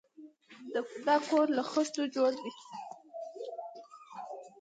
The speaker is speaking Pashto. دا کور له خښتو جوړ دی.